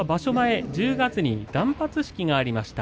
前１０月に断髪式がありました。